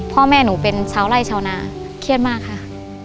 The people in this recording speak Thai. พ่อแม่หนูเป็นชาวไล่ชาวนาเครียดมากค่ะ